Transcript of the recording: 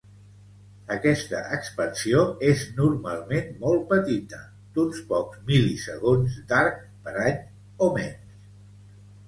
Aquesta expansió és normalment molt petita, d'uns pocs mil·lisegons d'arc per any, o menys.